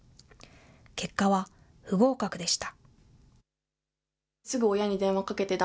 結果は不合格でした。